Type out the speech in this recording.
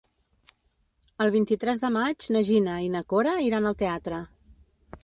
El vint-i-tres de maig na Gina i na Cora iran al teatre.